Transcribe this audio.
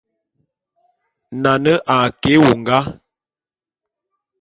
Nane a ke éwongá.